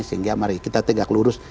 sehingga mari kita tegak lurus